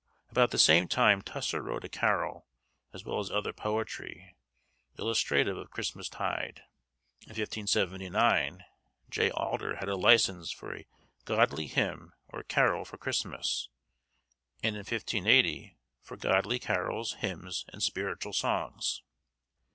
About the same time Tusser wrote a carol, as well as other poetry, illustrative of Christmas tide. In 1579, J. Alder had a license for 'a Godly Hymn or Carol for Christmas,' and in 1580, for 'Godly Carols, Hymns, and Spiritual Songs.